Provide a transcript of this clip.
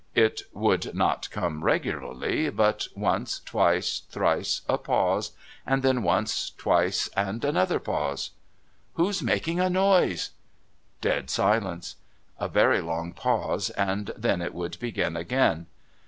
It would not come regularly, but once, twice, thrice, a pause, and then once, twice and another pause. "Who's making a noise?" Dead silence. A very long pause, and then it would begin again.